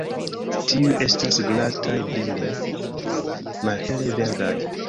Tiuj estas glataj, brile malhele verdaj.